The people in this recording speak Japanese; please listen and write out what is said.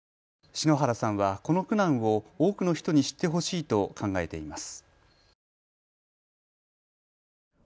篠原さんはこの苦難を多くの人に知ってほしいと考えています。